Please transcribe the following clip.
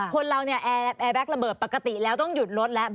คนเราเนี่ยแอร์แบ็คระเบิดปกติแล้วต้องหยุดรถแล้ว